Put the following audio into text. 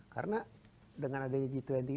karena dengan adanya g dua puluh ini